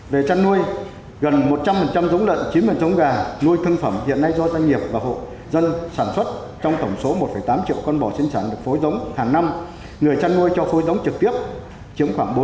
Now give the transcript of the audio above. về chăn nuôi gần một trăm linh giống lợn chín gà nuôi thương phẩm hiện nay do doanh nghiệp và hộ dân sản xuất trong tổng số một tám triệu con bò sinh sản được phối giống hàng năm người chăn nuôi cho phối giống trực tiếp chiếm khoảng bốn mươi